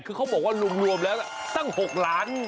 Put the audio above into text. คือเขาบอกว่ารวมแล้วตั้ง๖ล้าน